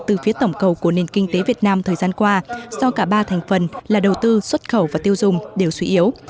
từ phía tổng cầu của nền kinh tế việt nam thời gian qua do cả ba thành phần là đầu tư xuất khẩu và tiêu dùng đều suy yếu